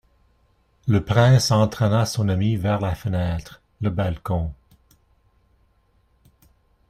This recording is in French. Le prince entraîna son ami vers la fenêtre, le balcon.